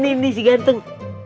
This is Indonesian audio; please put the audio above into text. bukan lu nih si ganteng